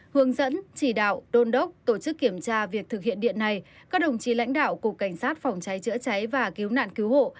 hướng dẫn chỉ đạo đôn đốc tổ chức kiểm tra việc thực hiện điện này các đồng chí lãnh đạo cục cảnh sát phòng cháy chữa cháy và cứu nạn cứu hộ